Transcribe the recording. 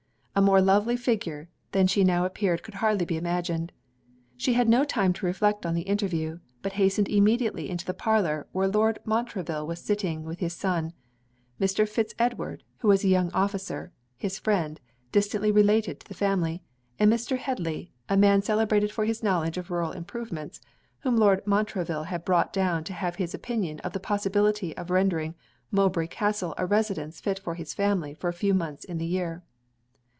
A more lovely figure than she now appeared could hardly be imagined. She had no time to reflect on the interview; but hastened immediately into the parlour where Lord Montreville was sitting with his son; Mr. Fitz Edward, who was a young officer, his friend, distantly related to the family; and Mr. Headly, a man celebrated for his knowledge of rural improvements, whom Lord Montreville had brought down to have his opinion of the possibility of rendering Mowbray Castle a residence fit for his family for a few months in the year.